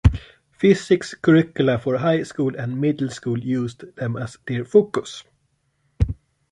Physics curricula for high school and middle school used them as their focus.